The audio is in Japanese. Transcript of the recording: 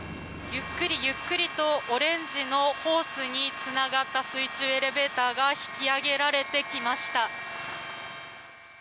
ゆっくりゆっくりとオレンジのホースにつながった水中エレベーターが引き上げられてきました。